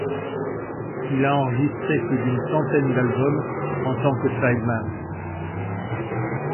Il a enregistré plus d'une centaine d'albums en tant que sideman.